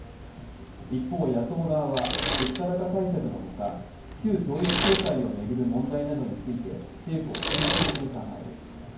一方、野党側は物価高対策のほか旧統一教会を巡る問題などについて政府を追及する考えです。